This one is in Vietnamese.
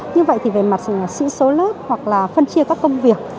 như vậy thì về mặt sĩ số lớp hoặc là phân chia các công việc